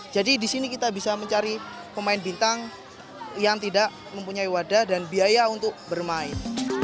jadi di sini kita bisa mencari pemain bintang yang tidak mempunyai wadah dan biaya untuk bermain